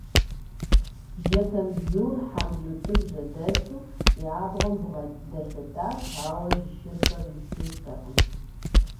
Жэнэтбзур, хьэмбылу цӏыкӏу жьэдэлъу, и абгъуэм бгъэдэлъэтащ, ауэ и шырхэр исыжтэкъым.